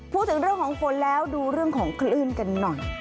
พูดถึงเรื่องของฝนแล้วดูเรื่องของคลื่นกันหน่อย